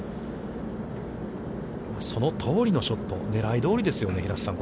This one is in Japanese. そのとおりのショット、狙いどおりですね、平瀬さん。